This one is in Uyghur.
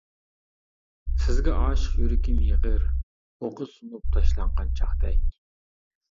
سىزگە ئاشىق يۈرىكىم يېغىر، ئوقى سۇنۇپ تاشلانغان چاقتەك.